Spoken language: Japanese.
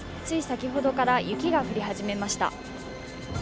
つい先ほどから雪が降り始めました。